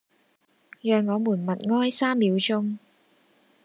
讓我們默哀三秒鐘